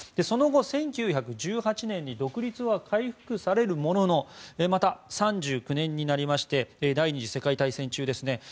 その後、１９１８年に独立は回復されるものの３９年になりまして第２次世界大戦中ですね